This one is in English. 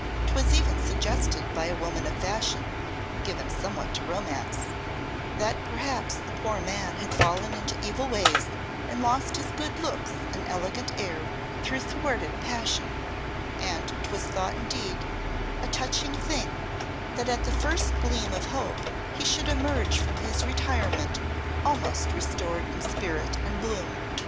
'Twas even suggested by a woman of fashion, given somewhat to romance, that perhaps the poor man had fallen into evil ways and lost his good looks and elegant air through thwarted passion, and 'twas thought indeed a touching thing that at the first gleam of hope he should emerge from his retirement almost restored in spirit and bloom.